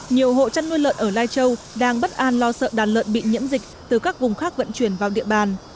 nhiều hộ chăn nuôi lợn ở lai châu đang bất an lo sợ đàn lợn bị nhiễm dịch từ các vùng khác vận chuyển vào địa bàn